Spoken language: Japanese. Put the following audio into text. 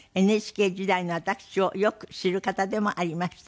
ＮＨＫ時代の私をよく知る方でもありました。